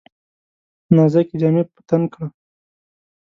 نازکي جامې په تن کړه !